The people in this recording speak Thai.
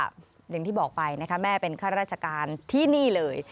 อย่างที่บอกไปนะคะแม่เป็นข้าราชการที่นี่เลย